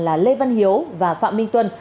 là lê văn hiếu và phạm minh tuân